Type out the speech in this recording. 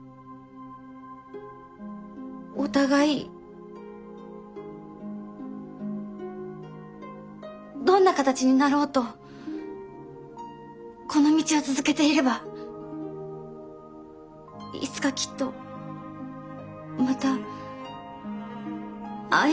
お互いどんな形になろうとこの道を続けていればいつかきっとまた会えるような気がします。